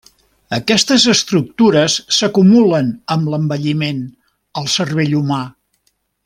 Aquestes estructures s’acumulen amb l’envelliment al cervell humà.